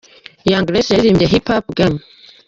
Young grace yaririmbye Hip Hop game.